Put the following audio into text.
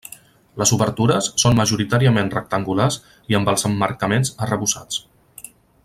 Les obertures són majoritàriament rectangulars i amb els emmarcaments arrebossats.